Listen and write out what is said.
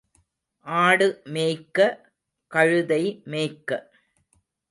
ஆடு மேய்க்க, கழுதை மேய்க்க.